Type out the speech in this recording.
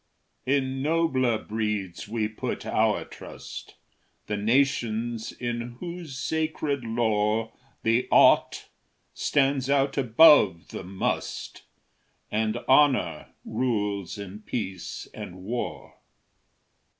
IV In nobler breeds we put our trust; The nations in whose sacred lore The "Ought" stands out above the "Must," And honor rules in peace and war.